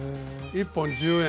１本１０円。